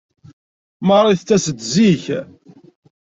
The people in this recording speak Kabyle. Marie tettas-d zik.